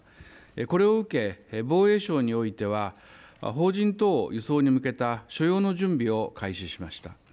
これを受け防衛省においては邦人等輸送に向けた所要の準備を開始しました。